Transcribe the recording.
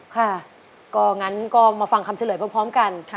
ค่ะก็งั้นก็มาฟังคำเฉลยพร้อมกัน